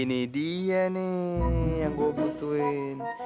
ini dia nih yang gue butuhin